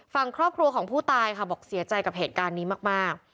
ฝั่งครอบครัวของผู้ตายค่ะบอกเสียใจกับเหตุการณ์นี้มาก